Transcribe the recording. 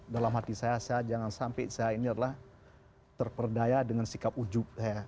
dalam hati saya saya jangan sampai saya ini adalah terperdaya dengan sikap ujub